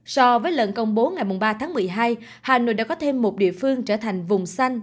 so với lần công bố ngày ba tháng một mươi hai hà nội đã có thêm một địa phương trở thành vùng xanh